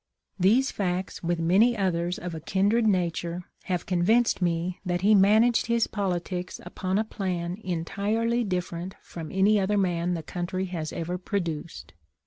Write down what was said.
These facts, with many others of a kindred nature, have convinced me that he managed THE LIFE OF LINCOLN. 533 his politics upon a plan entirely different from any other man the country has ever produced.